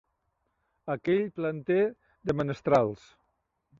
Aquell planter de menestrals.